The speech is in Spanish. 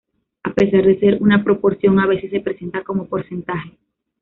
A pesar de ser una proporción a veces se presenta como porcentaje.